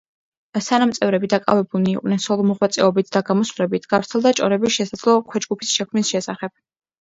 სანამ წევრები დაკავებულნი იყვნენ სოლო მოღვაწეობით და გამოსვლებით, გავრცელდა ჭორები შესაძლო ქვეჯგუფის შექმნის შესახებ.